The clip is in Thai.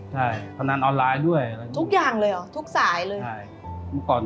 หลอกหนักแล้วก็เลิกลากัน